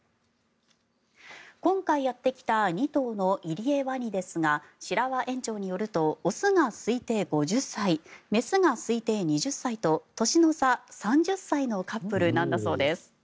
今回、やってきた２頭のイリエワニですが白輪園長によると雄が推定５０歳雌が推定２０歳と年の差３０歳のカップルなんだそうです。